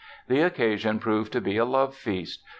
The occasion proved to be a love feast.